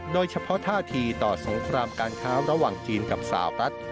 โดยเฉพาะท่าทีต่อสงครามการค้าระหว่างจีนกับสาวรัฐ